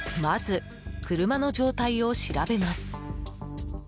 まず、車の状態を調べます。